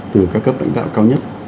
từ các cấp lãnh đạo cao nhất